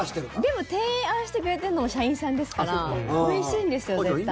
でも提案してくれてるのも社員さんですからおいしいんですよ、絶対。